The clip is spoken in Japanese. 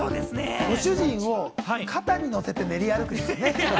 ご主人を肩に乗せて練り歩く。